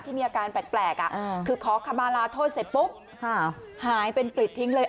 มีอาการแปลกคือขอคำมาลาโทษเสร็จปุ๊บหายเป็นกลิดทิ้งเลย